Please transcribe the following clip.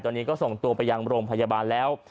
ตอนนี้ก็ส่งตัวไปยังโรงพยาบาลแล้ว